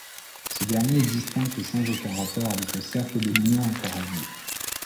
Ce dernier est distinct et sans aucun rapport avec le Cercle de l'Union Interalliée.